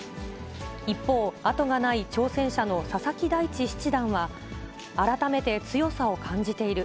一方、後がない挑戦者の佐々木大地七段は、改めて強さを感じている。